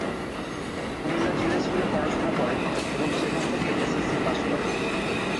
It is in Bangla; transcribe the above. কুমিল্লা জিলা স্কুলে পড়াশোনা করেন এবং সেখান থেকে এসএসসি পাস করেন।